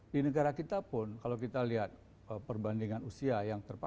di negara kita pun kalau kita lihat perbandingan usia yang terpapar